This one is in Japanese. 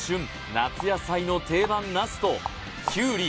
夏野菜の定番ナスときゅうり